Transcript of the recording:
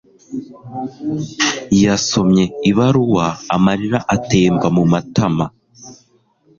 Yasomye ibaruwa amarira atemba mumatama.